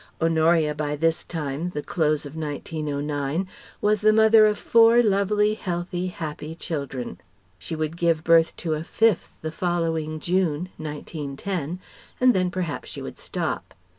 Honoria by this time the close of 1909 was the mother of four lovely, healthy, happy children. She would give birth to a fifth the following June (1910), and then perhaps she would stop.